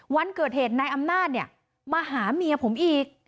วันเกิดเหตุนายอำนาจเนี่ยมาหาเมียผมอีก